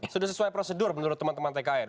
sudah sesuai prosedur menurut teman teman tkn